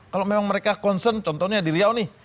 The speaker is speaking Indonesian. kalau memang mereka concern contohnya di riau nih